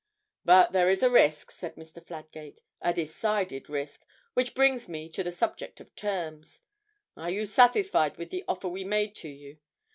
'But there is a risk,' said Mr. Fladgate, 'a decided risk, which brings me to the subject of terms. Are you satisfied with the offer we made to you?